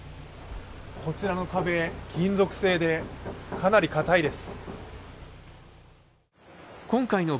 こちらの壁、金属製でかなりかたいです。